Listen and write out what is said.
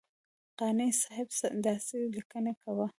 قانع صاحب داسې لیکنې کوه.